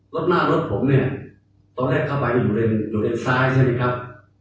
รถหน้ารถผมเนี่ยตอนแรกเข้าไปอยู่เลนซ้ายใช่ไหมครับ